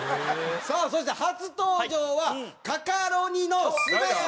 さあそして初登場はカカロニのすがやです！